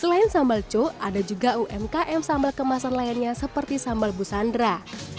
selain sambal co ada juga umkm sambal kemasan lainnya seperti sambal busandra